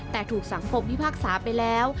แต่ถูกสังคมพิพากษาไปแล้ว